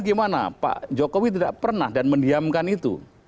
tapi bagaimana pak jokowi tidak pernah dan mendiamkan itu